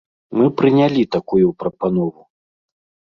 Мы прынялі такую прапанову.